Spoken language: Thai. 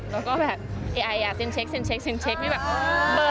แล้วก็แบบไอเซ็นเช็คไม่แบบเบอร์เกิน